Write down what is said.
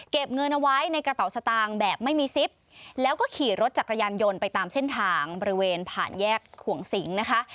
เงินเอาไว้ในกระเป๋าสตางค์แบบไม่มีซิปแล้วก็ขี่รถจักรยานยนต์ไปตามเส้นทางบริเวณผ่านแยกขวงสิงนะคะ